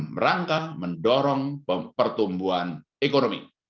berita terkini mengenai perkembangan ekonomi